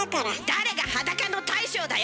誰が裸の大将だよ！